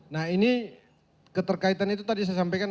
nah ini keterkaitan itu tadi saya sampaikan